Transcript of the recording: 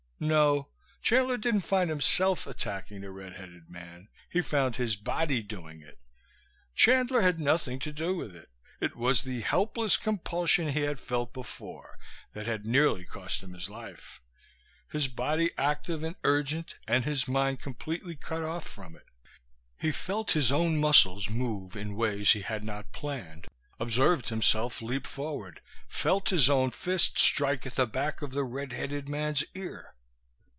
No. Chandler didn't find himself attacking the red headed man. He found his body doing it; Chandler had nothing to do with it. It was the helpless compulsion he had felt before, that had nearly cost him his life; his body active and urgent and his mind completely cut off from it. He felt his own muscles move in ways he had not planned, observed himself leap forward, felt his own fist strike at the back of the red headed man's ear.